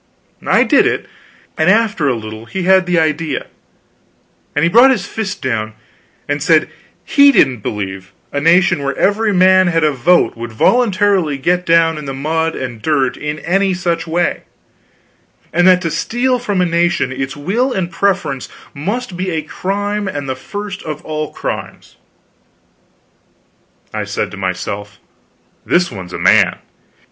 I did it; and after a little he had the idea, and he brought his fist down and said he didn't believe a nation where every man had a vote would voluntarily get down in the mud and dirt in any such way; and that to steal from a nation its will and preference must be a crime and the first of all crimes. I said to myself: "This one's a man.